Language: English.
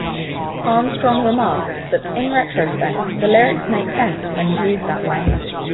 Armstrong remarked that, in retrospect, the lyrics make sense when viewed that way.